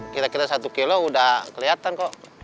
kira kira satu kilo udah kelihatan kok